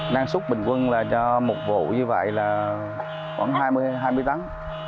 năng súc bình quân cho một vụ như vậy là khoảng hai mươi tấn